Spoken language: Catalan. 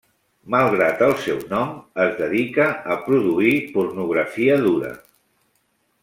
Malgrat el seu nom, es dedica a produir pornografia dura.